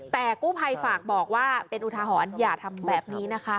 แต่กู้ภัยฝากบอกว่าเป็นอุทาหรณ์อย่าทำแบบนี้นะคะ